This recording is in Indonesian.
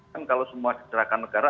kan kalau semua diserahkan negara